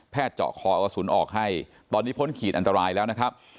เจาะคอเอากระสุนออกให้ตอนนี้พ้นขีดอันตรายแล้วนะครับ